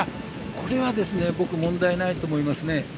これは、僕問題ないと思いますね。